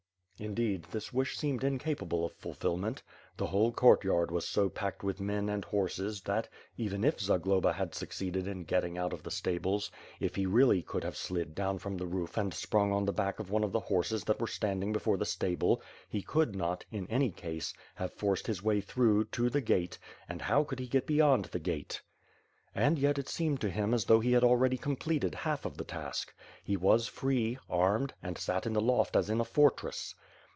Indeed, this wish seemed incapable of ful fillment. The whole courtyard was so pacKcd with men and horses that, even if Zagloba had succeeded in getting out of the stables, if he really could have slid down from the roof and sprung on the back of one of the horses that were stand ing before the stable, he could not, in any case, have forced his way through, to the gate, and how could he get beyond the gate? And yet it seemed to him as though he already completed half of the task. He wafi free, armed, and sat in the loft as in a fortress.